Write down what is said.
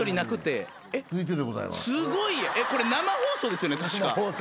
すごいこれ生放送ですよね確か。